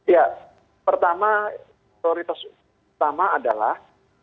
ya pertama prioritas utama adalah